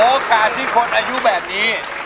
โอโฆษณ์ที่คนอายุแบบนี้